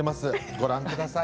ご覧ください。